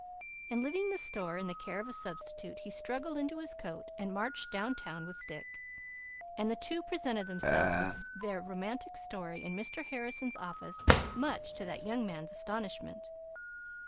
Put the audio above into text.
And leaving the store in the care of a substitute, he struggled into his coat and marched down town with Dick, and the two presented themselves with their romantic story in Mr. Harrison's office, much to that young man's astonishment.